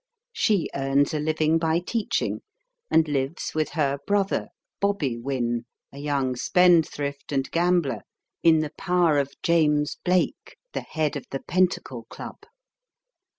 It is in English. She earns a living by teaching, and lives with her brother, Bobby Wynne, a young spendthrift and gambler, in the power of James Blake, the head of the Pentacle Club.